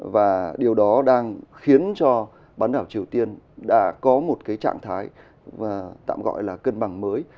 và điều đó đang khiến cho bán đảo triều tiên đã có một cái trạng thái tạm gọi là cân bằng mới